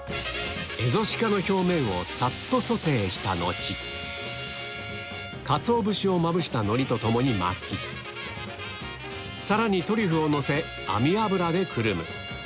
蝦夷鹿の表面をさっとソテーした後かつお節をまぶした海苔と共に巻きさらにトリュフをのせ網脂でくるむ